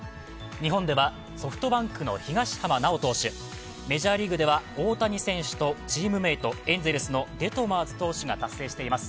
日本ではソフトバンクの東浜巨投手、メジャーリーグでは大谷選手とチームメート、エンゼルスのデトマーズ投手が達成しています。